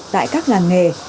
tại các làng nghề